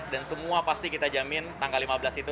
dan semua pasti kita jamin tanggal lima belas itu